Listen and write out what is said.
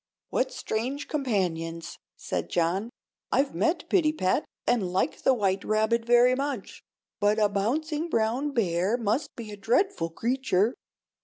"What strange companions!" said John. "I've met Pittypat, and like the white rabbit very much; but a bouncing brown bear must be a dreadful creature."